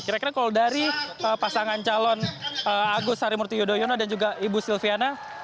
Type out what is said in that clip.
kira kira kalau dari pasangan calon agus harimurti yudhoyono dan juga ibu silviana